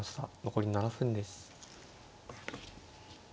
残り７分です。